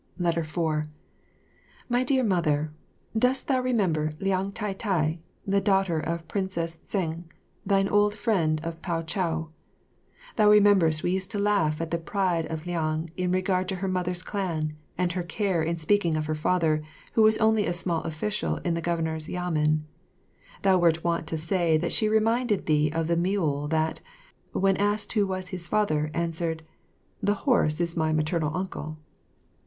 4 My Dear Mother, Dost thou remember Liang Tai tai, the daughter of the Princess Tseng, thine old friend of Pau chau? Thou rememberest we used to laugh at the pride of Liang in regard to her mother's clan, and her care in speaking of her father who was only a small official in the governor's Yamen. Thou wert wont to say that she reminded thee of the mule that, when asked who was his father, answered, "The horse is my maternal uncle."